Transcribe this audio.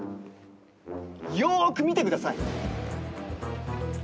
よく見てください。